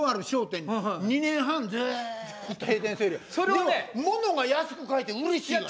でもものが安く買えてうれしいがな。